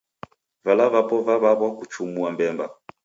Vala vapo vaw'aw'a kuchumua mbemba